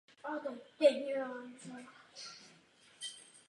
Jednotlivé Ježíšovy portréty se však mezi sebou významně liší.